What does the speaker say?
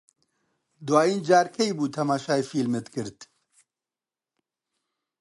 دوایین جار کەی بوو تەماشای فیلمت کرد؟